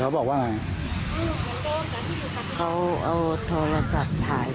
เอกสการสั่งคือว่าผมไม่มีเงินไปทำศพ